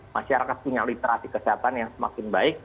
masyarakat punya literasi kesehatan yang semakin baik